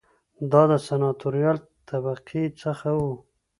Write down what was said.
دا د سناتوریال طبقې څخه و